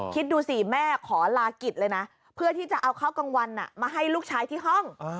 คิดดูสิแม่ขอลากิจเลยนะเพื่อที่จะเอาข้าวกลางวันมาให้ลูกชายที่ห้อง